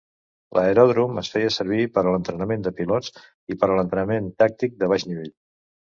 L'aeròdrom es feia servir per a l'entrenament de pilots i per a l'entrenament tàctic de baix nivell.